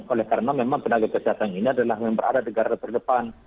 oleh karena memang tenaga kesehatan ini adalah yang berada di negara terdepan